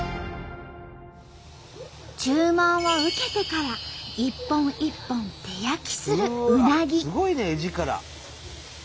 注文を受けてから一本一本手焼きするうなぎ。